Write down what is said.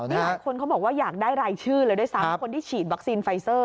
นี่หลายคนเขาบอกว่าอยากได้รายชื่อเลยด้วยซ้ำคนที่ฉีดวัคซีนไฟเซอร์